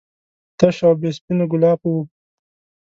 تش او بې سپینو ګلابو و.